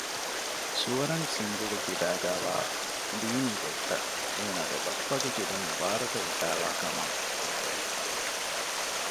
ސުވަރަންސިންގ ގެ ކިބައިގައިވާ ދީނީ ގޮތްތައް އޭނާގެ ބައްޕަގެ ކިބައިން ވާރުތަވެފައިވާ ކަމަށް ބުނެވެ